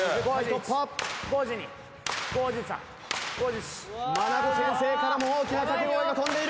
まなぶ先生からも大きな掛け声が飛んでいる。